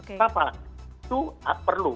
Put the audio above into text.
kenapa itu perlu